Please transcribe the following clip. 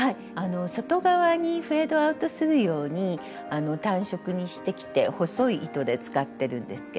外側にフェードアウトするように淡色にしてきて細い糸で使ってるんですけれども。